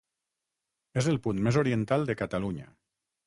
És el punt més oriental de Catalunya.